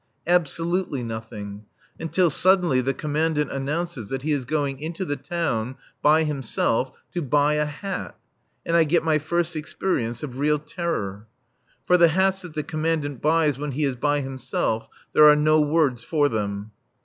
Absolutely nothing; until suddenly the Commandant announces that he is going into the town, by himself, to buy a hat, and I get my first experience of real terror. For the hats that the Commandant buys when he is by himself there are no words for them.